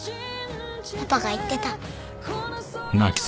パパが言ってた。